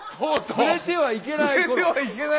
触れてはいけない！